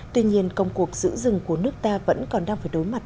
tuy nhiên công cuộc giữ rừng của nước ta vẫn còn đang phải đối mặt